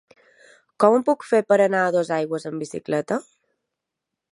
Com ho puc fer per anar a Dosaigües amb bicicleta?